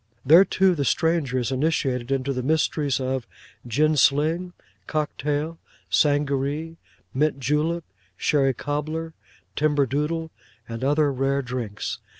There too the stranger is initiated into the mysteries of Gin sling, Cock tail, Sangaree, Mint Julep, Sherry cobbler, Timber Doodle, and other rare drinks.